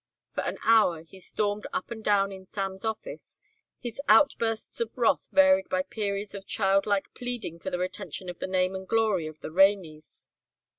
For an hour he stormed up and down in Sam's office, his outbursts of wrath varied by periods of childlike pleading for the retention of the name and glory of the Raineys.